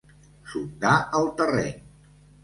Sondar el terreny.